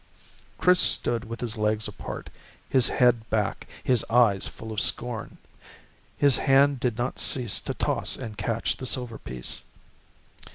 Chris stood with his legs apart, his head back, his eyes full of scorn. His hand did not cease to toss and catch the silver piece.